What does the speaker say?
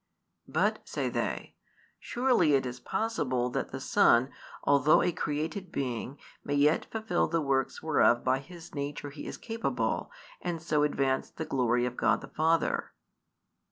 "But," say they, "surely it is possible that the Son, although a created being, may yet fulfil the works whereof by His nature He is capable, and so advance the glory of God the Father?"